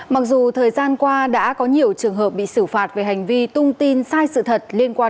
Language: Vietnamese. mặc dù thời gian qua đã có nhiều trường hợp bị xử phạt về hành vi tung tin sai sự thật liên quan